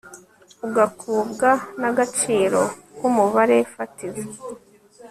ugakubwa n agaciro k umubare fatizo